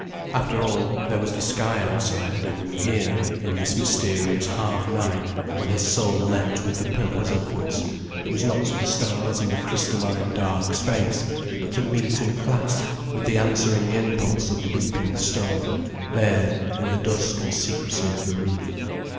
After all, there was the sky outside, and in here, in this mysterious half night, when his soul leapt with the pillars upwards, it was not to the stars and the crystalline dark space, but to meet and clasp with the answering impulse of leaping stone, there in the dusk and secrecy of the roof.